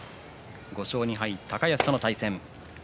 ５勝２敗の高安との対戦。